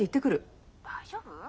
☎大丈夫？